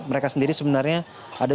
mereka sendiri sebenarnya ada